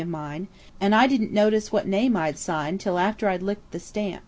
of mine–and I didn't notice what name I'd signed till after I'd licked the stamp."